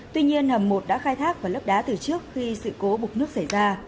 tuy nhiên hầm một đã khai thác và lấp đá từ trước khi sự cố bục nước xảy ra